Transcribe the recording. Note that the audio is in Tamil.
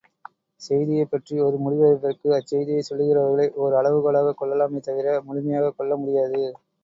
செய்தியைப்பற்றி ஒரு முடிவெடுப்பதற்கு அச்செய்தியைச் சொல்லுகிறவர்களை ஒர் அளவு கோலாகக் கொள்ளலாமே தவிர, முழுமையாகக் கொள்ள முடியாது.